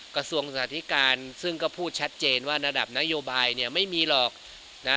กระทรวงศึกษาธิการซึ่งก็พูดชัดเจนว่าระดับนโยบายเนี่ยไม่มีหรอกนะ